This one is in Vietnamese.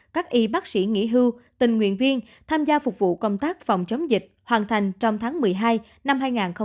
các y bác sĩ nghỉ hưu tình nguyện viên tham gia phục vụ công tác phòng chống dịch hoàn thành trong tháng một mươi hai năm hai nghìn hai mươi